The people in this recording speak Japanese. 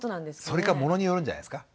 それかものによるんじゃないですか。